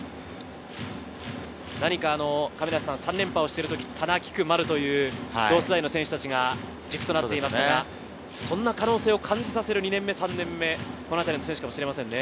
何か３連覇をしてるとき、タナキクマルという同世代の選手たちが軸となっていましたが、そんな可能性を感じさせる２年目３年目の選手かもしれませんね。